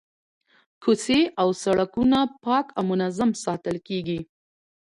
کوڅې او سړکونه پاک او منظم ساتل کیږي.